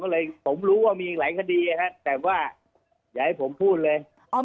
ก็เลยผมรู้ว่ามีอีกหลายคดีแต่ว่าอย่าให้ผมพูดเลย